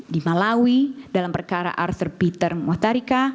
di malawi dalam perkara arthur peter muhtarika